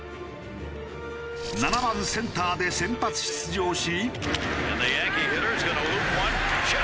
７番センターで先発出場し。